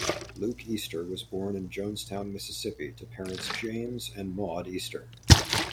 Luke Easter was born in Jonestown, Mississippi to parents James and Maude Easter.